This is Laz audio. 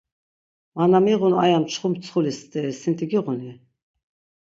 Ma na miğun aya mçxu mtsxuli steri sinti giğuni?